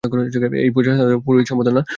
এই পূজা সাধারণত পুরোহিত সম্পাদনা করে থাকেন।